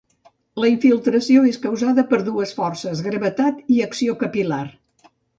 La infiltració és causada per dues forces: gravetat i acció capil·lar.